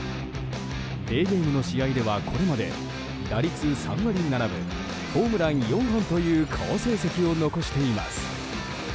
デーゲームの試合ではこれまで打率３割７分ホームラン４本という好成績を残しています。